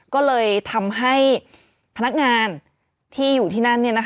ก็เลยทำให้พนักงานที่อยู่ที่นั่น